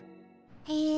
へえ。